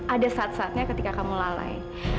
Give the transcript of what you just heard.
ada saat saatnya ketika kamu lalai